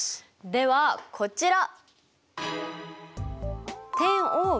ではこちら！